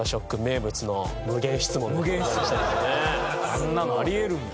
そんなのあり得るんだ。